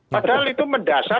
padahal itu mendasar